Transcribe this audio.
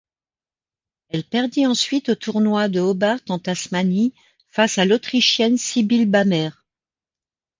Elle perdit ensuite au tournoi de Hobart en Tasmanie face à l’Autrichienne Sybille Bammer.